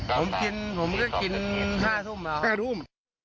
ผมก็กิน๕ทุ่ม